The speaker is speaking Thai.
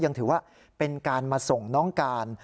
ยังถือว่าเป็นการมาส่งน้องการ